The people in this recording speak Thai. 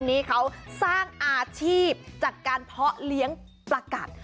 นี้เขาสร้างอาชีพจากการเพาะเลี้ยงประกัด